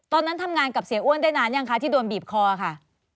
ตอนนั้นทำงานกับเสียอ้วนได้นานยังคะที่โดนบีบคอค่ะ